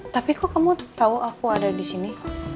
tapi kok kamu tau aku ada disini